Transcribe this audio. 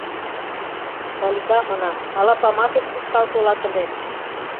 — Салика, манам, ала памашыш куржтал толат ыле.